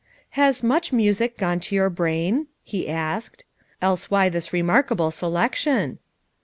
"Has 'much music' gone to your brain?" he asked. "Else why this remarkable selec tion